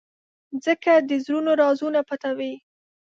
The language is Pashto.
مځکه د زړونو رازونه پټوي.